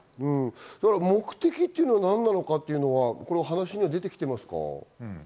目的っていうのは何なのかっていうのは話には出てきていますか？